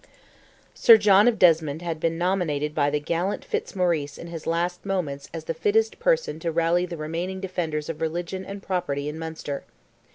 Sir John of Desmond had been nominated by the gallant Fitzmaurice in his last moments as the fittest person to rally the remaining defenders of religion and property in Munster.